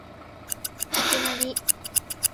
いきなり